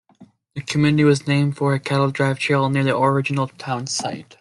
The community was named for a cattle drive trail near the original town site.